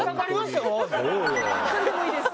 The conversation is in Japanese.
「それでもいいです」。